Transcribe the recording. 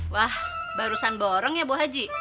wah barusan borong ya bu haji